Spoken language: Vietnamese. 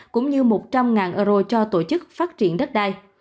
cũng như một trăm linh euro cho tổ chức phát triển đất đai